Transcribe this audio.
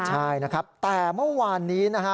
ใช่นะครับแต่เมื่อวานนี้นะฮะ